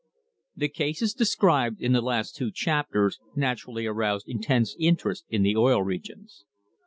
1 ^ HE cases described in the last two chapters naturally aroused intense interest in the Oil Regions.